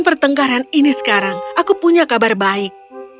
pertengkaran ini sekarang aku punya kabar baik